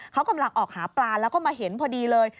เขากำลังออกหาปลาแล้วก็มาเห็นพอดีเลย